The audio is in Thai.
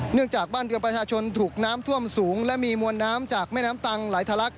จากบ้านเรือประชาชนถูกน้ำท่วมสูงและมีมวลน้ำจากแม่น้ำตังไหลทะลัก